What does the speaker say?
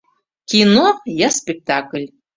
Кино, я спектакль